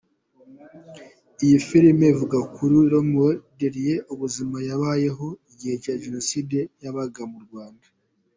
Iyi filime ivuga kuri Romeo Dallaire, ubuzima yabayemo igihe Jenoside yabaga mu Rwanda.